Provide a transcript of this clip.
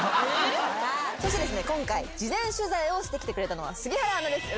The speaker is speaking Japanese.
そしてですね今回事前取材をしてきてくれたのは杉原アナです